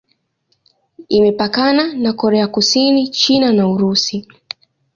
Imepakana na Korea Kusini, China na Urusi.